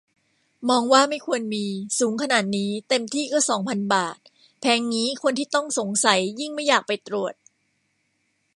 มองว่าไม่ควรมี สูงขนาดนี้ เต็มที่ก็สองพันบาท แพงงี้คนที่ต้องสงสัยยิ่งไม่อยากไปตรวจ